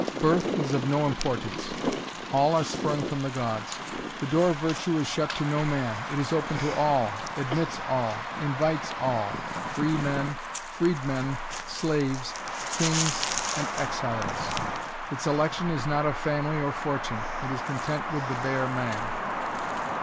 Birth is of no importance; all are sprung from the gods. "The door of virtue is shut to no man; it is open to all, admits all, invites all free men, freedmen, slaves, kings and exiles. Its election is not of family or fortune; it is content with the bare man."